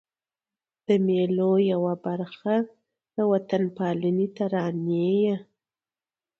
د مېلو یوه برخه د وطن پالني ترانې يي.